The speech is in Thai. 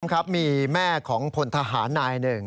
ครับมีแม่ของพลทหารนายหนึ่ง